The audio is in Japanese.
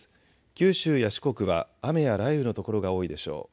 九州や四国は雨や雷雨の所が多いでしょう。